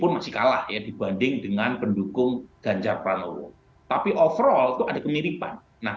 masih kalah ya dibanding dengan pendukung ganjar pranowo tapi overall itu ada kemiripan nah